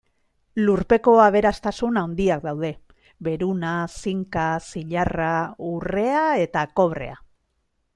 Lurpeko aberastasun handiak daude: beruna, zinka, zilarra, urrea eta kobrea.